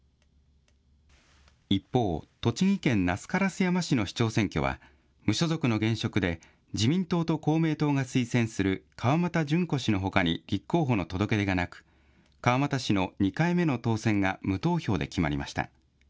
一方、栃木県那須烏山市の市長選挙は、無所属の現職で、自民党と公明党が推薦する川俣純子氏のほかに立候補の届け出がなく、川俣氏の２回目の当選が無投票で決まりました。